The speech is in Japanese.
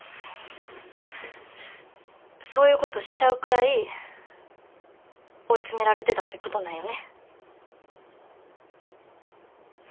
そういうことしちゃうくらい追い詰められてたってことなんよね。